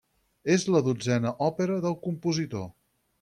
És la dotzena òpera del compositor.